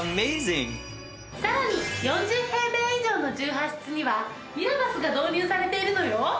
さらに４０平米以上の１８室にはミラバスが導入されているのよ！